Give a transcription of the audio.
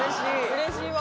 「うれしいわ」